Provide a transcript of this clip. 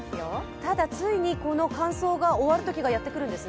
ただ、ついにこの乾燥が終わるときがやってくるんですね？